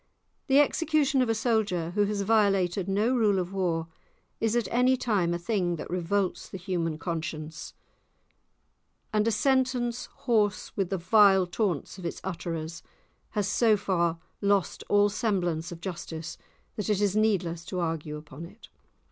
The execution of a soldier who has violated no rule of war is at any time a thing that revolts the human conscience, and a sentence hoarse with the vile taunts of its utterers has so far lost all semblance of justice that it is needless to argue upon it.